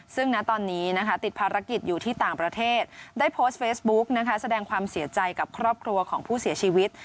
ซึ่งณตอนนี้นะคะติดภารกิจอยู่ที่ต่างประเทศได้โพสต์เฟซบุ๊กนะคะแสดงความเสียใจกับครอบครัวของผู้เสียชีวิต